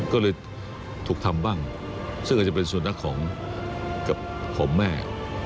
ก็เลยถูกทำบ้างซึ่งอาจจะเป็นส่วนนักของแม่